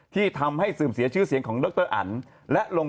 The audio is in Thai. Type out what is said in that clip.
ที่ทำให้ซึมเสียชื่อเสียงของดรอัน